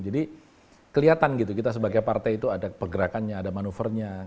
jadi kelihatan gitu kita sebagai partai itu ada pergerakannya ada manuvernya